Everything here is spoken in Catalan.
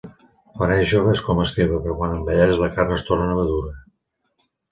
Quan és jove és comestible però quan envelleix la carn es torna dura.